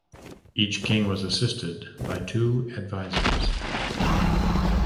Each king was assisted by two advisors.